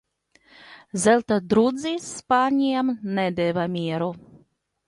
Zelta drudzis spāņiem nedeva mieru.